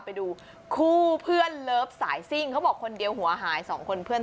ไปดูคู่เพื่อนสีคู่สิ่งคู่นี้กันค่ะอืม